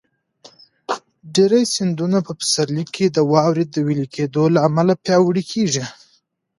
ډېری سیندونه په پسرلي کې د واورو د وېلې کېدو له امله پیاوړي کېږي.